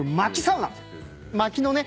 薪のね